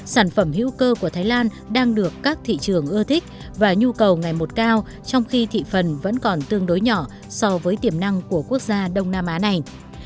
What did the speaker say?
sản phẩm hữu cơ của thái lan đang được các thị trường ưa thích và nhu cầu ngày một cao trong khi thị phần vẫn còn tương đối nhỏ so với tiềm năng của quốc gia đông nam á này